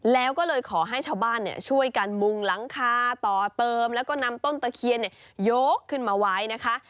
แล้วก็เลยขอให้ชาวบ้านช่วยกันมุงหลังคาต่อเติมแล้วก็นำต้นตะเคียนยกขึ้นมาไว้นะคะ